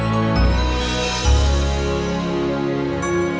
terima kasih pak rt